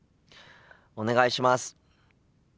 お願いします。